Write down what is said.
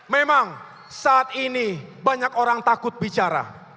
memang saat ini banyak orang takut bicara